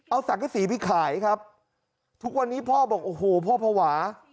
เอาสังกษีไปขายครับทุกวันนี้พ่อบอกโอ้โหพ่อภาวะ